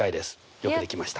よくできました。